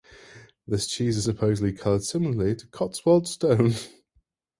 This cheese is supposedly coloured similarly to Cotswold stone.